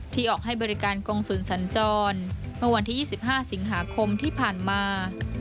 ออกให้บริการกงศูนย์สัญจรเมื่อวันที่๒๕สิงหาคมที่ผ่านมา